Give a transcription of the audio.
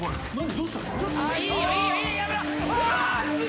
どうしたの？